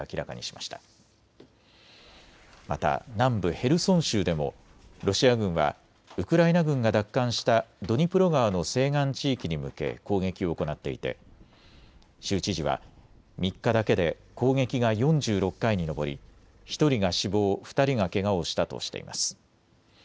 また南部ヘルソン州でもロシア軍はウクライナ軍が奪還したドニプロ川の西岸地域に向け攻撃を行っていて州知事は３日だけで攻撃が４６回に上り１人が死亡、２人がけがをしたとしています。